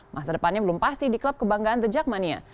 masa depannya belum pasti di klub kebanggaan tejakmania